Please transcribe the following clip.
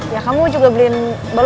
ya kamu juga beliin balon dong buat aku